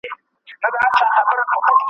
سياسي ثبات د پياوړي دولت پايله ده.